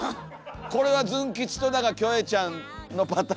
これはズン吉とキョエちゃんのパターンということで？